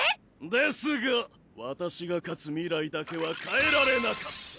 ですが私が勝つ未来だけは変えられなかった。